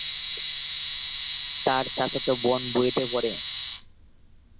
তার চাচাতো বোন বুয়েটে পড়ে।